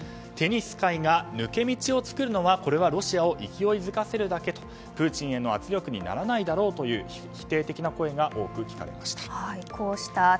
テニス界が抜け道を作るのはロシアを勢いづかせるだけとプーチンへの圧力にならないだろうという否定的な声が多く聞かれました。